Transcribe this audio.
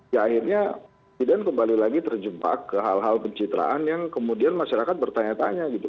ya akhirnya presiden kembali lagi terjebak ke hal hal pencitraan yang kemudian masyarakat bertanya tanya gitu